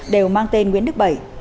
đều mang tên nguyễn đức bảy